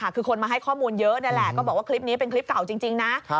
คือคนมาให้ข้อมูลเยอะนี่แหละก็บอกว่าคลิปนี้เป็นคลิปเก่าจริงนะ